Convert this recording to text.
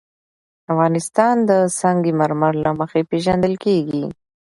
افغانستان د سنگ مرمر له مخې پېژندل کېږي.